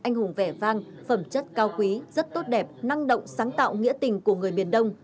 anh hùng vẻ vang phẩm chất cao quý rất tốt đẹp năng động sáng tạo nghĩa tình của người miền đông